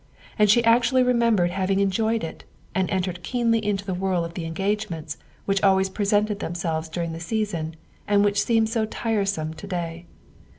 And she actually remembered having enjoyed it and entered keenly into the whirl of engagements which always presented themselves during the season, and which seemed so tiresome to day.